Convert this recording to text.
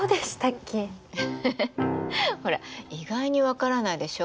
ほら意外に分からないでしょ